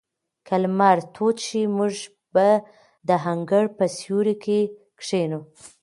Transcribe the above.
که لمر تود شي، موږ به د انګړ په سیوري کې کښېنو.